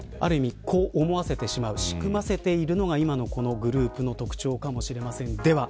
ある意味、こう思わせてしまう仕組ませているのがこのグループの特徴かもしれません。